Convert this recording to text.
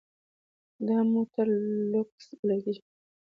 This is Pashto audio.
دا موټر لوکس بلل کیږي.